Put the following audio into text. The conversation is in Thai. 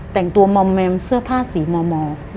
แต่งตัวมอมแมมเสื้อผ้าสีม